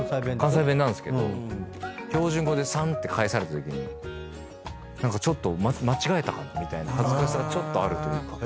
関西弁なんすけど標準語でさんって返されたときに何か間違えたかみたいな恥ずかしさがあるというか。